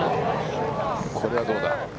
これはどうだ。